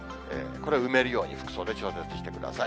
これを埋めるように服装で調節してください。